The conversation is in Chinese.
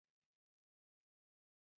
五代后唐复名黎城县。